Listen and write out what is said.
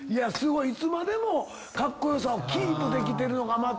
いつまでもカッコ良さをキープできてるのがまた。